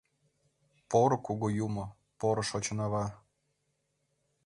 Поро Кугу Юмо, Поро Шочынава!..